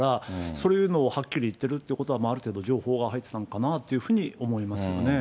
そういうのをはっきり言っているということは、ある程度、情報が入っていたのかなというふうに思いますよね。